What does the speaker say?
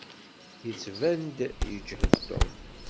Yettban-d yeǧhed Tom.